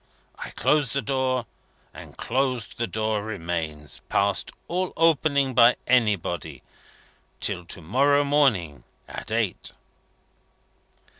I close the door; and closed the door remains, past all opening by anybody, till to morrow morning at eight."